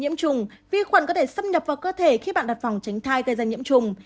nhiễm trùng vi khuẩn có thể xâm nhập vào cơ thể khi bạn đặt phòng tránh thai gây ra nhiễm trùng